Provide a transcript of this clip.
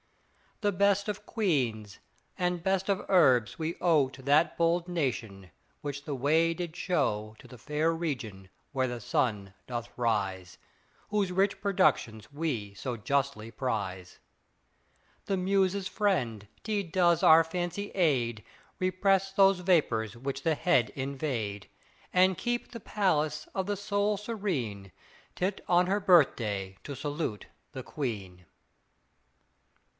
The best of Queens, and best of herbs, we owe To that bold nation, which the way did show To the fair region where the sun doth rise, Whose rich productions we so justly prize. The Muse's friend, tea does our fancy aid, Repress those vapors which the head invade, And keep the palace of the soul serene, Tit on her birthday to salute the Queen.